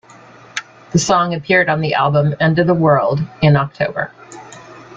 The song appeared on the album "End of the World" in October.